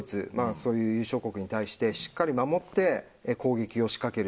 そういう優勝国に対ししっかり守って攻撃を仕掛ける。